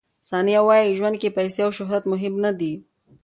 ثانیه وايي، ژوند کې پیسې او شهرت مهم نه دي.